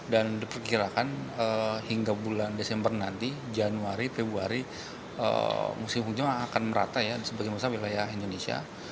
dan diperkirakan hingga bulan desember nanti januari februari musim hujan akan merata ya di sebagian besar wilayah indonesia